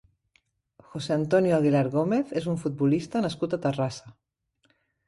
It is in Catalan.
José Antonio Aguilar Gómez és un futbolista nascut a Terrassa.